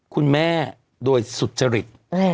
คุณแม่โดยสุจริต